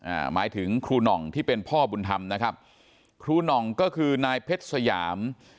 หมายถึงครูหน่องที่เป็นพ่อบุญธรรมนะครับครูหน่องก็คือนายเพชรสยาม